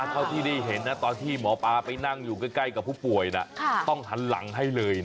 เท่าที่ได้เห็นนะตอนที่หมอปลาไปนั่งอยู่ใกล้กับผู้ป่วยต้องหันหลังให้เลยนะ